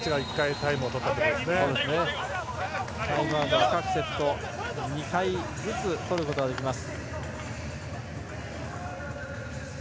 タイムアウトは各セット２回ずつ取ることができます。